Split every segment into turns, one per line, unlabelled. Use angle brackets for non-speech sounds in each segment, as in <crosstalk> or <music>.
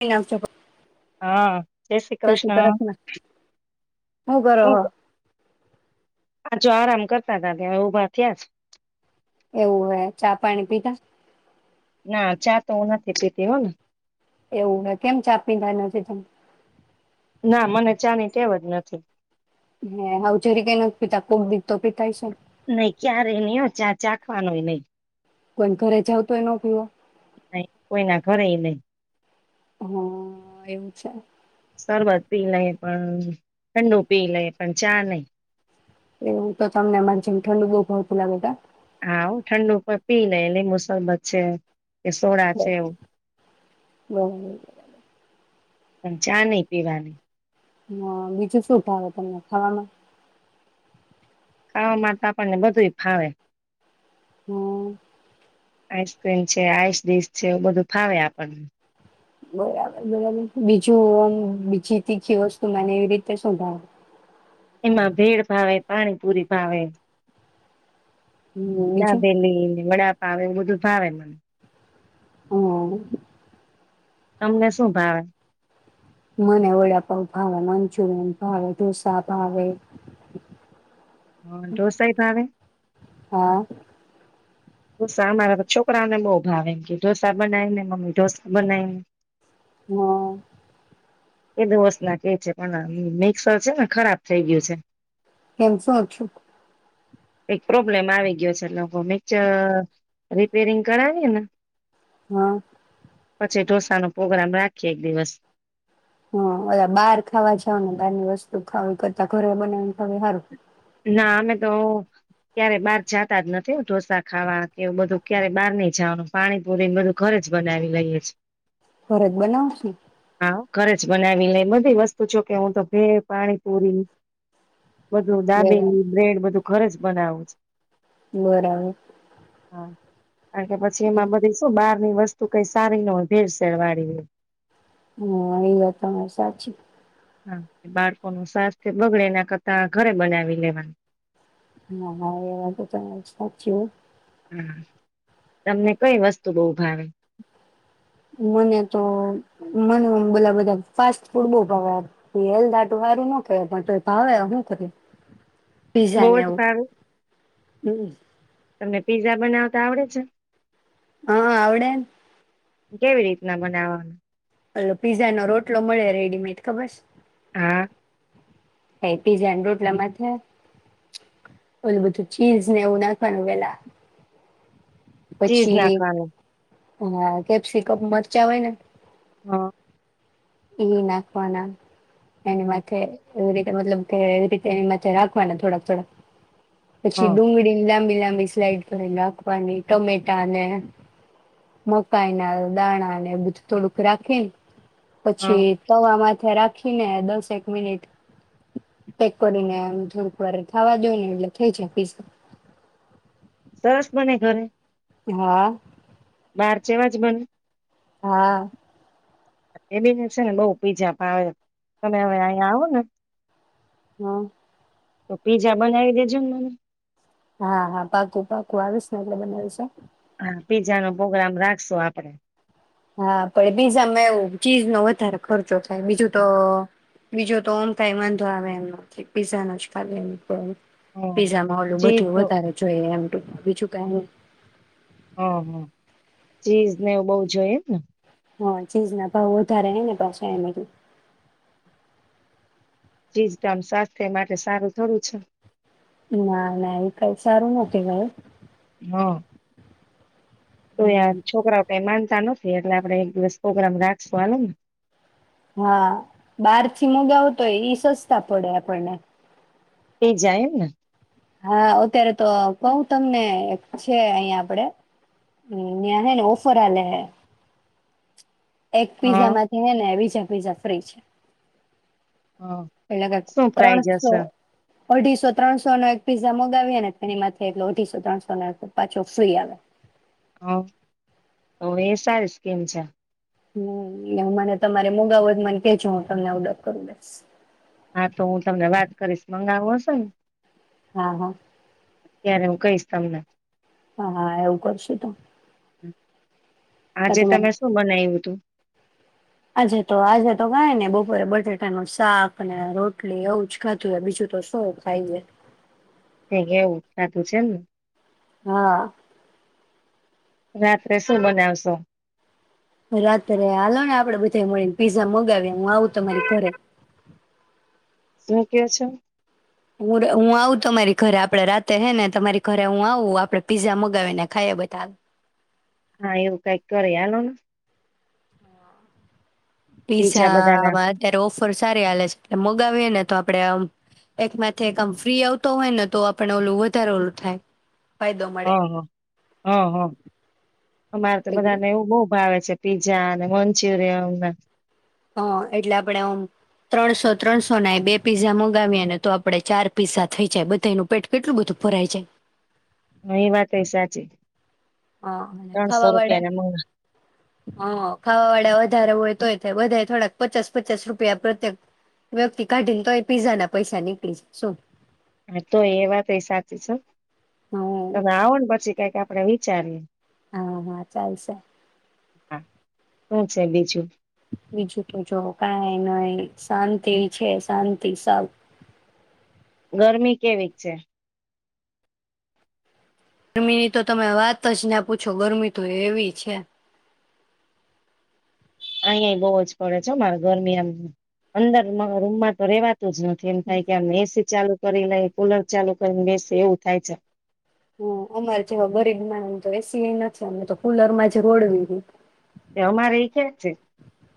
અહીં આવશે <inaudible>
હા, જય શ્રી કૃષ્ણ
હું કરો હો
જો આરામ કરતા તા ત્યાં ઉભા થયા જ <unintelligible>
એવું હે, ચા પાણી પીતા
ના ચા તો હું નથી પીતી હો ને
એવું હો કેમ ચા પીધા નથી તમે?
ના, મને ચાની ટેવ જ નથી
હે હાવ જરીકે નથી પીતા, કોક દી તો પીતા હયશો ને!
નઈ ક્યારેય નહીં હોં, ચાં ચાખવાનોય નહીં
કોઈન્ ઘરે જાવ તો યે નો પીવો?
ન કોઈના ઘરે ય નઈ
હા, એમ છે.
શરબત પી લઈએ, પણ ઠંડુ પી લઈયે, પણ ચા નઈ.
એવું, તો તમને મારી જેમ ઠંડુ બઉ ભાવતું લાગે તા?
હા હું, ઠંડુ પણ પી લેઈએ લિંબુ સરબત છે. કે સોડા છે એવું.
બરાબર
પણ ચા નહી પીવાની.
હા, બીજું શું ભાવે તમને ખાવામાં?
ખાવામાં તો આપણને બધું ય ફાવે.
હા.
આઈસ્ક્રીમ છે, આઈસ ડિસ છે, બધું ફાવે આપણને.
બરાબર, બરાબર. બીજું આમ બીજી તીખી વસ્તુમાંને એવી રીતે શું ભાવે?
એમાં ભેળ ભાવે, પાણીપુરી ભાવે.
હમ બીજું
દાબેલી ને વડા પાંવ, એવું બધું ભાવે મને.
હા.
તમને શું ભાવે?
મને વડાપાંઉ ભાવે, મંચુરિયન ભાવે, ઢોસા ભાવે.
હા ઢોસા ય ભાવે?
હા
ઢોસા અમારા તો છોકરાને બહુ ભાવે, કે ઢોસા બનાયને મમ્મી ઢોસા બનાય ને.
હા.
એ દો વસ ના કે છે, પણ મિક્સર છે ને ખરાબ થઈ ગયું છે.
કેમ શું થ્યું?
એક પ્રોબ્લેમ આવી ગ્યો છે. નખો મેં ચ રિપેરિંગ કરાવીયેને
હા.
પછી ઢોસાનો પોગરામ રાખીએ એક દિવસ.
હા ઓલા બાર ખાવા જાવ ને બહારની વસ્તુ ખાવ ઇ કરતા ઘરે બનાવીને ખાવ એ હારું.
ના અમે તો ક્યારે બહાર જાતા જ નથી હોં ઢોસા ખાવા, કે એવું બધું ક્યારે બહાર નઈ જાવાનું, પાણીપુરી ને બધું ઘરે જ બનાવી લઈએ છે.
ઘરે જ બનાવશું.
હા ઘરે બનાવી લઈ, બધી વસ્તુ જો કે હું તો ભેળ, પાણીપુરી બ
બરા
દાબેલી બ્રેડ બધું ઘરે જ બનાવું છ
બરાબર.
હા કારણ કે પછી એમાં બધી શું બાર ની વસ્ત તુ કંઈ સારી ન હોય, ભેરસેળવાડી હોય.
હા આ એ વાત તમારી સાચી.
હા, બાળકોનું સ્વાસ્થ્ય બગડે એના કરતા ઘરે બનાવી લેવાનું.
હા હા, એ વાત તો તમારી સાચી હોં.
હા તમને કઈ વસ્તુ બહુ ભાવે?
મને તો, મને બલા બધા ફાસ્ટ ફૂડ બહુ ભાવે. આ કોઈ હેલ્થ હાટુ હારું ન કહેવાય પણ ભાવે હું કરીયે.
બહુજ ભાવે.
હમ્મ.
તમને પીઝા બનાવતા આવડે છે?
આ હા આવડે ન
કેવી રીતના બનાવવા
આ લો પીઝાનો રોટલો મળે રેડીમેડ ખબર છે
હા
હેય પીઝાન રોટલામાં છે ને ઓલુ બધું ચીઝ ને એવું નાખવાનું પેલા
ચીઝ નાખવાનું
અ હા કેપ્સીિકપ મરચા હોય ને
હા
ઈ નાખવાના એની
હ
માથે એવી રીતે મતલબ કે, એવી રીતે એમાં જરાક રાખવાના થોડાક થોડાક
હ
પછી ડુંગળીની લાંબી લાં ની સ્લાઈડ કરી નાખવાની ટમેટાને મકાઈના દાણા ને બધું થોડુંક રાખી
હ
પછી તવામાં રાખીને દસેક મિનિટ પેક કરીને થોડુંક વાર થાવાદો ને એટલે થઈ જાય પીઝા
સરસ બને ઘરે
હા
બાર જેવાજ બને
હ
એની મુસે હેંડો પીઝા ભાય તમે હવે અહીયા આવો ને
હા.
તો પીઝા બનાવી દેજો ને મને.
હા હા પાકું પાકું આવીસને એટલે બનાવીશ હ.
હા પીઝાનો પોગ્રામ રાખશો આપડે.
હા પણ પીઝામાં એવું ચીઝ નો વધારે ખર્ચો થાય. બીજું તો બીજું તો ઓમ કાઈ વાંધો આવે એમ નથી પીઝા નો જ ખાલી એમ પણ
હમ
પીઝામા ઓલું
ચીઝ
બધું
હ
વધારે જોઈએ એમ. તો બીજું કાઈ
હા હો ચીઝ ને એવું બધું જોઈએ ને.
હા ચીઝના ભાવ વધારે એને પાછા એમાં થી.
ચીઝ તો આમ સ્વાસ્થ્ય માટે સારું થોડું છે.
ના ના એવુ કઈ સારું નથી ભાઈ ઓ.
હા. તો યાર
હમ
છોકરાઓ તે માન તાનો ફેડ એટલે આપડે એક દિવસ પ્રોગ્રામ રાખશું હાલોને.
હા બાર થી મગાવું તો ઈ સસ્તા પડે આપણને.
એ જાય ને.
હા અત્યારે તો આ કઉ તમને છે અહિયાં આપડે ન્યાં હે ને ઓફર આલે હૈ. એક પીઝા
હા
માંથી હૈ ને વીઝા પીઝા ફ્રી છે.
હા
એટલા કેક
શું પ્રાઇઝ
ત્રણસો
હશે
અઢીસો ત્રણસોને એક પીઝા મંગાવીએ ને તેનીમાંથે અઢીસો ત્રણસો નો પાછો ફ્રી આવે
હ તો એ સારી સ્કીમ છે
હમ્મ, એ મને તમારે મોગાવો હોય મને કે જો તમને ઓર્ડર કરી દઈશ
હા, તો હું તમને વાત કરીશ મંગાવું હશે ને
હા, હા
અ ત્યારે હું કઈશ તમને
હા, હા, એવું કરશે તો
હમ્મ આજે
તમારે
તમે શું બનાવ્યું હતુ
આજે તો આજે તો કાય ને બપોરે બટેાટાનું શાક અને રોટલી એવું જ ખાધું હો બીજું તો શૌ ખાઈએ
કંઈ ની, એવું જ ખાધું છે એમને
હા
રાત્રે શું બનાવશો
રાત્રે હાલો ને આપડે બધા મળીને પીઝા મંગાવીએ હું આવું તમારી ઘરે
હું કે છો
હું, હું, આવું તમારી ઘરે આપડે રાતે હે ને તમારી ઘરે હું આવું આપડે પીઝા મગાવીને ખાઈએ બધા
હા, એવું કઈક કરી હાલોને પીઝા બધાના
પીઝામાં, અત્યારે ઓફર સારી હાલે છે મગાવી ને તો આપડે આમ એક માથે એક આમ ફ્રી આવતો હોય ને તો આપણે ઓલું વધારે ઓલું થાય ફાયદો
હ, હ,
મળે
હ, હા અમારે તો
એટલે
બધાને એવું બહ ભાવે છે પીઝા અને મં મચુરીયન
હ, એટલે આપણે ઓમ ત્રણસો, ત્રણસો ના બે પીઝા મંગાવીએ ને તો આપડે ચાર પીઝા થઈ જાય બધા એનું પેટ કેટલું બધું ભરાય જાય
હ એ વાત કઈ સાચી
હા અને
ત્રણસો
ખાવા વાળા
રૂપિયા ના મણ
હા ખાવા વાળા વધારે હોય તોય બધા થોડાક પચાસ પચાસ રૂપિયા પ્રત્યેક વ્યક્તિ કાઢીને તો એ પીઝા ના પૈસા નીકળી જ શું
હા, તો એ વાત એ સાચી છે,
હમ
હો તમે આવો ને પછી કઈક આપડે વી ચાર.
હા હા ચાલશે.
હા શું છે બીજું?
બીજું તો જો કાં નહી શાંતિ છે શાંતિ સૌ.
ગરમી કેવી છે.
ગરમીની તો તમે વાત જ ના પૂછો ગરમી તો એવી છે.
અહીં બઉુ જ પડે છે મારે ગરમી એમ અંદર રૂમમાં તો રેવા તો જ નથી એમ થાય કે મેં છે ચાલુ. કરી લઈ કુલર ચાલુ કરીને બેસે એવું થાય છે.
હ અમારે જેવા ગરીબના તો એસી નથી અમે તો કુલર માં જ રોડવી.
અમારે ઈ કે છે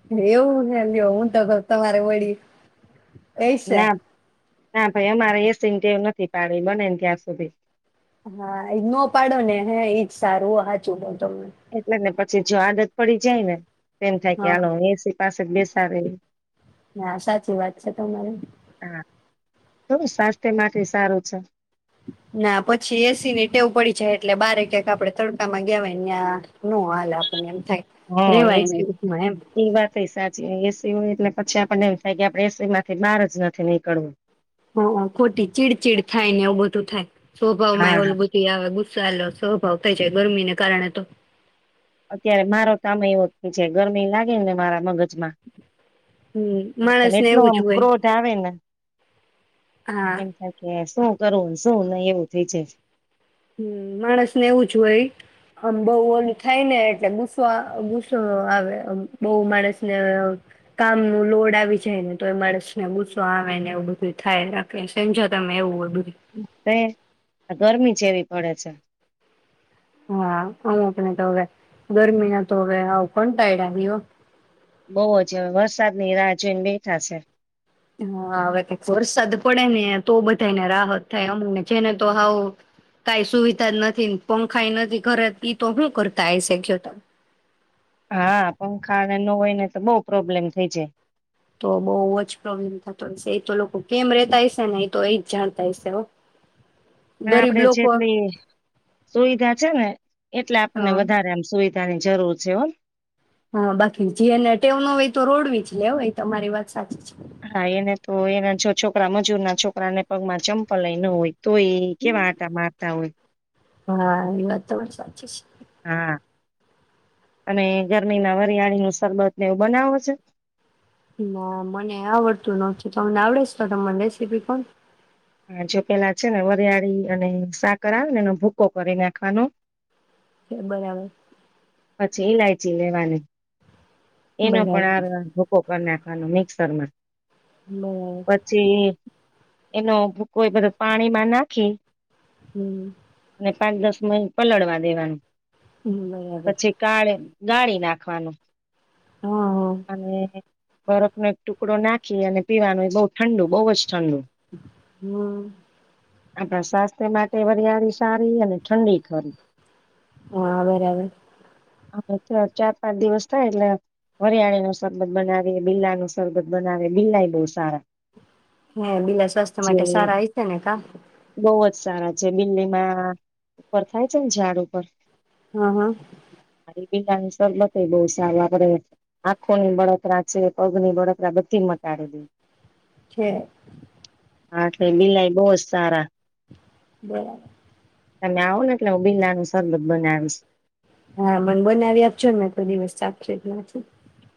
<unintelligible> ડબલ તમારે વળી એ છે.
ના ના ભાઈ અમારે એ સિનવું નથી પાડી બને ને ત્યાં સુધી.
હા એ ન પાડો ને હ એઈજ સારું હાચું કવ તમને.
એટલે ને પછી જો આદત પડી જાય ને. એમ થાય કે
હા
આલો એસી પાસે જ બેસાવે
ના સાચી વાત છે તમારી
હા. તો સ્વાસ્થ્ય માટે સારું છે.
ના પછી એસીની ટેવ પડી જાય એટલે બારે ક્યાંક આપડે તડકામાં ગયા હોય ને. અહીયા નોલા <unintelligible> બ <unintelligible>
હા એ એ વાતય સાચી. હોય એટલે પછી આપણને એમ થાય કે આપડે એસી માંથી બહાર જ નથી નીકળવું.
હ ખોટી ચીડચીડ થાય ને એવું બધું થાય. સ્વભાવ માં
હા
એ ઓલ
હા
બુધી આવે ગુસ્સાાલ સ્વભાવ થઈ જાય ગરમીને. કારણે તો.
અત્યારે મારો તોમે એવો ગરમી લાગે ને મારા મગજ.
હમ માણસને
એટલો
એવું
આમ
જ હોય
ક્રોધ આવે ને.
હા
એની થકે. શું કરવું શું, નહી એવું થઇ છે.
હમ માણસને એવું જ હોય, આમ બહુ ઓલું થાય ને એટલે ગુસ્સો ગુસ્સો આવે બહુ માણસ ને, કામ નું લોડ આવી જાય ને તો એ માણસને ગુસ્સો આવે ને એવું બધું થાય રાખે સમજો તમે એવું હોય બધું
ક ગરમી. જેવી પડે છે.
હા અમુકને તો હવે, ગરમી ના તો હવે આવ કો ટાયદો.
બહુ જ વરસાદની રાહ જોઈને બેઠા છે.
હા હવે કઈ વરસાદ પડે ને તો બધાને રાહત થાય અમુકને છે ને તો હાવ, કઈ સુવિધા જ નથી પંખાઈ નથી ઘરે તો હું કરતા અહે છે તો.
હા પંખા અને ન હોય ને તો બહ પ્રોબ્લેમ થઈ જાય.
તો બહુ જ પ્રોબ્લેમ થતો હશે એ તો લોકો કેમ રેતા હશે ને એ તો એ જ જાણતા હશે.
પણ
ગરીબ
આપડે
લોકો
જેટલી સુવિધા છે ને એટલે આપણને
હા
વધારે આમ સુવિધા. તની જરૂર છે હો
હા બાકી જેને ટેવ ન હોય તો રોડવી જ લેવ એ તમારી વાત સાચી છે
હા, એને તો એના જો છોકરા મજૂર ના છોકરાને પગમાં ચંપલાય ન હોય તો એ કેવા આટા મારતા હોય
હા એ વાત તો બ સાચી છે
હા, અને ગરમી ના વરિયાળી નું શરબતને એવું બનાવો છો?
ના મને આવડતું નથી, તમને આવડેસે તો મને રેસીપી કોને
હા જો પેલા છે ને વરિયાળી અને સાકર આવે ને એનો ભૂકો કરી નાખવાનો
છે બરાબર
પછી ઇલાયચી લેવાની એનો
બરાબર
પણ આ ભૂકો કરી નાખ અને મિક્સરમાં
બરાબર
પછી એનો ભૂકોઈ બધો પાણીમાં નાખી
હમ
અને પાંચ દસ મિટ પલળવા દેવાનું
હમ બરાબર
પછી કાળેમ ગાળી નાખવાનું
હા
અને બરફનો એક ટુકડો નાખી અને પીવાનો એ બઉુ ઠંડુ બઉુ જ ઠંડુ
હમ
આપણા સ્વાસ્થ્ય માટે વરિયાળી સારી અને ઠંડી ખરી
હા બરાબર
હા તો ચાર, પાંચ દિવસ થાય એટલે વરિયાળી નું શરબત બનાવી, બિરલા નું શરબત બનાવી બિરલાય બહુ સારા
હે બીલા સ્વાસ્થ્ય
જે
માટે સારા હ છે ને કા
બહુ જ સારા છે બિલ્લીમાં ઉપર થાય છે ને ઝાડ ઉપર
હા, હા
બિલ્લાની સરરબત બહ સારું આપડે આંખોની બળતરા છે, પગની બળતરા બધી મટાડી દી
છે
હા, તે બિલાઈ બહ ચાર
બરાબ
તમે આવો ને એટલે બિલાનુ સરબત બનાવીશ <inaudible>
હા, મન બનાવી આપશો ને મેં કોઈ દિવસ ચાખ્યો જ નથી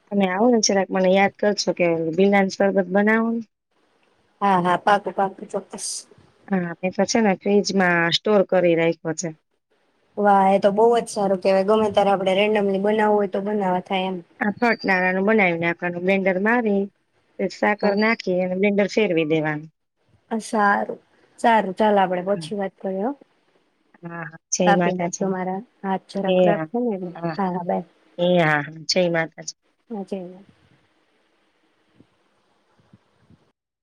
તમે આવો ને જરાક મને યાદ કરશો કે બિલાની શરબત બનાવો
હા, હા, પાકુ, પાકું ચોક્કસ
હા, એ તો છે ને ફ્રીજમાં સ્ટોર કરી રાખ્યો છે
વાહ એ તો બહુ જ સારું કેવાય ગમે ત્યારે આપડણે રેન્ડમલી બનાવવું હોય તો બનાવ થ એમ
ના બનાવી નાખવાનું બ્લેન્ડર મારી રસા કરર
હા
નાખી એ. શેરવી દેવાનું.
સારું સારું ચાલ આપડે પછી વાત કરીએ.
હા હા જય
કાપી નાખજો
માતાજી
મારા હાથ
એ
જરાક ખરાબ
હા
છે ને એટલે
હા
બાય
એ હા હા જય માતાજી.
જ.